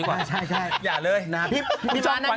อุ้ยทายน้ำถอดไปแล้ว